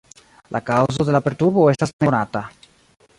La kaŭzo de la perturbo estas nekonata.